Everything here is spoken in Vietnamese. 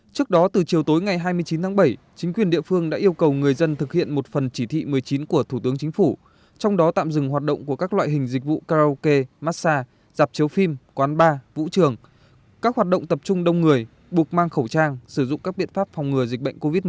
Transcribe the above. trước đó từ chiều tối ngày hai mươi chín tháng bảy chính quyền địa phương đã yêu cầu người dân thực hiện một phần chỉ thị một mươi chín của thủ tướng chính phủ trong đó tạm dừng hoạt động của các loại hình dịch vụ karaoke massage dạp chiếu phim quán bar vũ trường các hoạt động tập trung đông người buộc mang khẩu trang sử dụng các biện pháp phòng ngừa dịch bệnh covid một mươi chín